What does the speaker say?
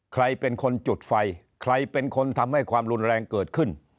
ใครเป็นคนจุดไฟใครเป็นคนทำให้ความรุนแรงเกิดขึ้น